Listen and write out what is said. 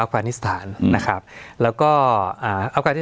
สวัสดีครับทุกผู้ชม